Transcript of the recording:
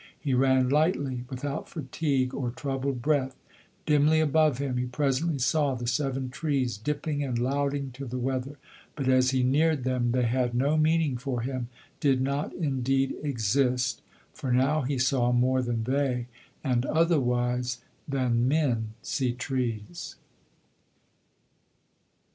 He ran lightly, without fatigue or troubled breath. Dimly above him he presently saw the seven trees, dipping and louting to the weather; but as he neared them they had no meaning for him, did not, indeed, exist. For now he saw more than they, and otherwise than men see trees.